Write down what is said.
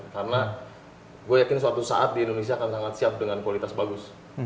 karena gue yakin suatu saat di indonesia akan sangat siap dengan kualitas bagus